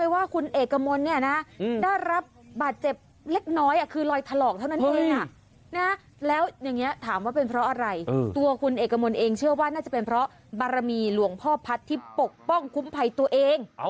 ว่าคุณเอกมนต์เองเชื่อว่าน่าจะเป็นเพราะบารมีหลวงพ่อพัฒน์ที่ปกป้องคุ้มภัยตัวเอง